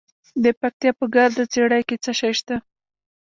د پکتیا په ګرده څیړۍ کې څه شی شته؟